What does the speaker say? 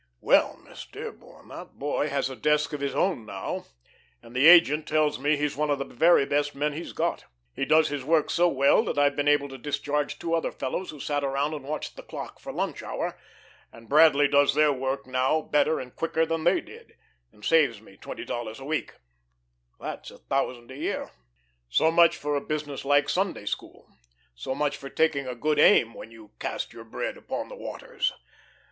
Well, Miss Dearborn, that boy has a desk of his own now, and the agent tells me he's one of the very best men he's got. He does his work so well that I've been able to discharge two other fellows who sat around and watched the clock for lunch hour, and Bradley does their work now better and quicker than they did, and saves me twenty dollars a week; that's a thousand a year. So much for a business like Sunday school; so much for taking a good aim when you cast your bread upon the waters.